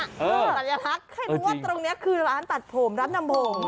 ใครรู้ว่าตรงนี้คือร้านตัดผมร้านนำโบ่ง